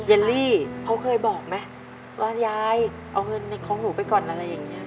เลลี่เขาเคยบอกไหมว่ายายเอาเงินในของหนูไปก่อนอะไรอย่างนี้